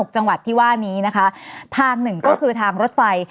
จังหวัดที่ว่านี้นะคะทางหนึ่งก็คือทางรถไฟ